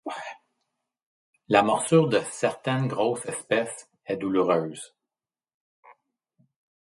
La morsure de certaines grosses espèces est douloureuse.